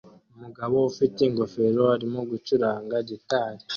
Umugabo ufite ingofero arimo gucuranga gitari